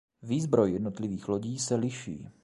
Výzbroj jednotlivých lodí se liší.